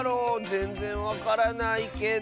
ぜんぜんわからないけど。